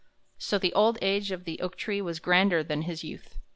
So the old age of the oak tree was grander than his youth.